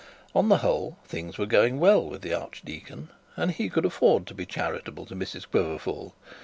On the whole things were going well with the archdeacon, and he could afford to be charitable to Mrs Quiverful.